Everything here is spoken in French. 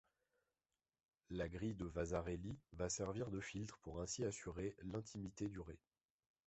La grille de Vasarely va servir de filtre pour ainsi assurer l’intimité du rez.